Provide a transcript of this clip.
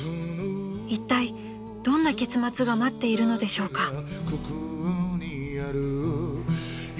［いったいどんな結末が待っているのでしょうか］